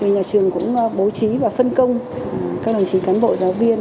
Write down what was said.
nhà trường cũng bố trí và phân công các đồng chí cán bộ giáo viên